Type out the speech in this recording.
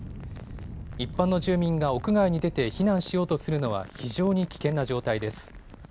一般の住民が屋外に出て避難しようとするのは非常に危険な状態です。